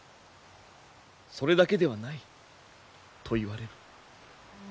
それだけではないと言われる？